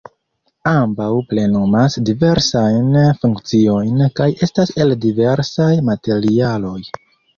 Ambaŭ plenumas diversajn funkciojn kaj estas el diversaj materialoj.